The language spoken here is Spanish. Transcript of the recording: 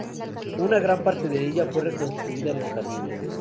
Una gran parte de ella fue reconstruida en los jardines.